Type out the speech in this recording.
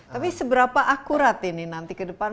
tapi seberapa akurat ini nanti ke depan